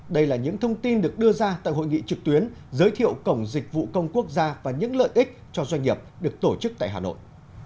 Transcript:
đây là những thông tin được đưa ra tại hội nghị trực tuyến giới thiệu cổng dịch vụ công quốc gia và những lợi ích cho doanh nghiệp được tổ chức tại hà nội